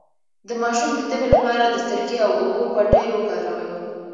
د ماشوم د تبې لپاره د سرکې او اوبو پټۍ وکاروئ